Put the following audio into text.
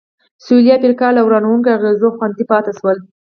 سوېلي افریقا له ورانوونکو اغېزو خوندي پاتې شول.